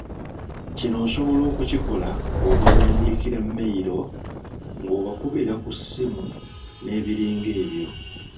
Kino osobola okukikola ng’obawandiikira mmeyiro, ng’obakubira ku ssimu n’ebiringa ebyo.